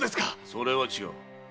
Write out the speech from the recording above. それは違う。